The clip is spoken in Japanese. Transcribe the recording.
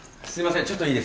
ちょっといいですか。